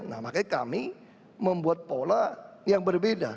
nah makanya kami membuat pola yang berbeda